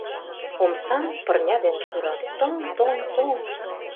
Омсам пырня дене шурат: тыҥ-тоҥ-тоҥ!